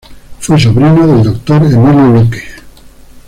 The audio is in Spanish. Fue sobrino de doctor Emilio Luque.